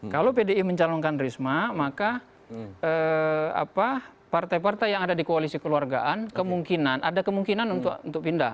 kalau pdi mencalonkan risma maka partai partai yang ada di koalisi keluargaan kemungkinan ada kemungkinan untuk pindah